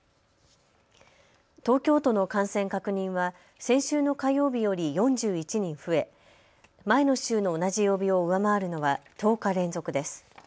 東京都の感染確認は先週の火曜日より４１人増え、前の週の同じ曜日を上回るのは１０日連続です。